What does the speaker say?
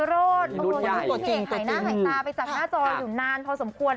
เพราะว่าพี่เอกหายหน้าหายตาไปจากหน้าจออยู่นานพอสมควร